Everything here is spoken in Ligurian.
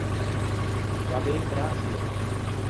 Va ben, graçie!